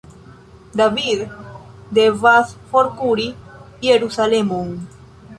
David devas forkuri Jerusalemon.